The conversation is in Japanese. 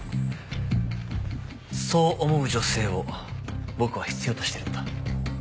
そう思う女性を僕は必要としているんだ。